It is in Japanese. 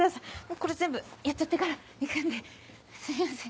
これ全部やっちゃってから行くんですいません。